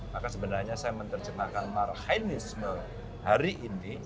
maka sebenarnya saya menerjemahkan marhainisme hari ini